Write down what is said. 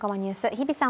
日比さん